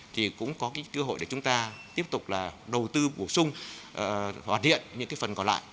thì cũng có cái cơ hội để chúng ta tiếp tục là đầu tư bổ sung hoàn thiện những cái phần còn lại